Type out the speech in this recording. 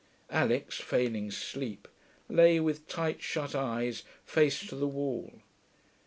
Alix, feigning sleep, lay with tight shut eyes, face to the wall.